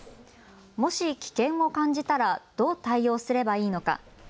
もし危険を感じたらどう対応すればいいのか。